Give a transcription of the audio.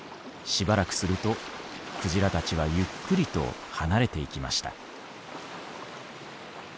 しばらくするとクジラたちはゆっくりと離れていきました。